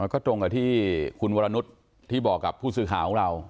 ก็ตรงกับที่คุณวรนุษย์ที่บอกกับผู้สื่อข่าวของเรา